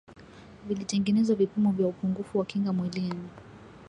vilitengenezwa vipimo vya upungufu wa kinga mwilini